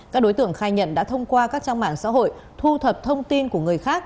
các đối tượng khai nhận đã thông qua các trang mạng xã hội thu thập thông tin của người khác